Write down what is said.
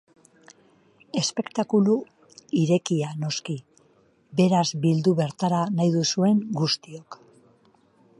Espektakulu irekia, noski, beraz bildu bertara nahi duzuen guztiok!